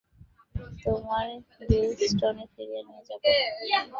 তোমায় গিলস্টনে ফিরিয়ে নিয়ে যাবো।